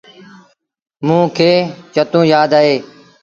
موݩ کي چتو يآد اهي۔